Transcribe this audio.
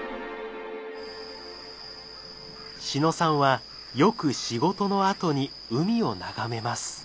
志野さんはよく仕事のあとに海を眺めます。